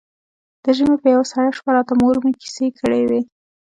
د ژمي په يوه سړه شپه راته مور مې کيسې کړې وې.